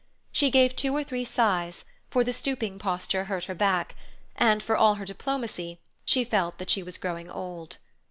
She gave two or three sighs, for the stooping posture hurt her back, and, for all her diplomacy, she felt that she was growing old.